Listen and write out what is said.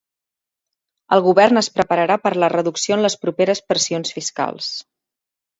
El govern es prepararà per a la reducció en les properes pressions fiscals.